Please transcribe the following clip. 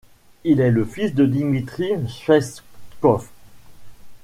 Il est le fils de Dimitri Tsvetkov.